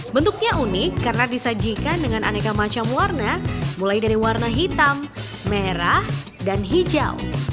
bentuknya unik karena disajikan dengan aneka macam warna mulai dari warna hitam merah dan hijau